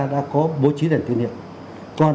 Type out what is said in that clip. đã có bố trí đèn tự nhiệm còn